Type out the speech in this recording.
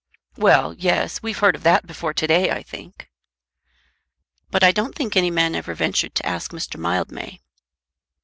"Well; yes. We've heard of that before to day, I think." "But I don't think any man ever ventured to ask Mr. Mildmay."